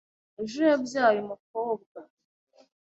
Ejo yabyaye umukobwa .